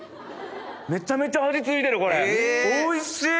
めちゃめちゃ味付いてるこれおいしい！